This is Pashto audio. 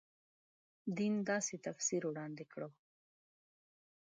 د دین داسې تفسیر وړاندې کړو.